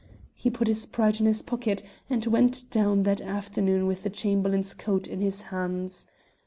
He put his pride in his pocket and went down that afternoon with the Chamberlain's coat in his hands.